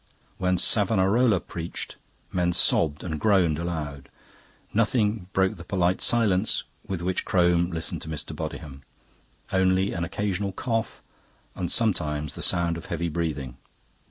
When Savonarola preached, men sobbed and groaned aloud. Nothing broke the polite silence with which Crome listened to Mr. Bodiham only an occasional cough and sometimes the sound of heavy breathing.